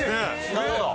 なるほど。